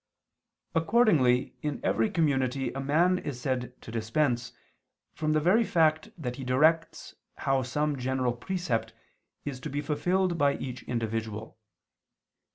Accordingly in every community a man is said to dispense, from the very fact that he directs how some general precept is to be fulfilled by each individual.